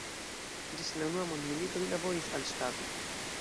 Ĝis la unua mondmilito li laboris al ŝtato.